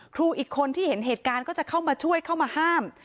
ครูอีกคนที่เห็นเหตุการณ์ก็จะเข้ามาช่วยเข้ามาห้าม